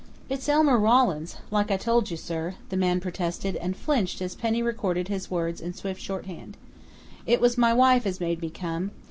"It's Elmer Rawlins, like I told you, sir," the man protested, and flinched as Penny recorded his words in swift shorthand. "It was my wife as made me come.